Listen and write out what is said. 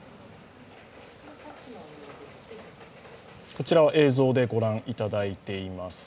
こちら映像でご覧いただいています。